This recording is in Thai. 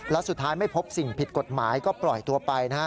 และสุดท้ายไม่พบสิ่งผิดกฎหมายก็ปล่อยตัวไปนะฮะ